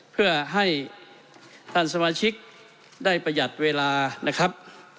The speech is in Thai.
เพื่อให้ท่านสมาชิกได้ประหยัดเวลานะครับ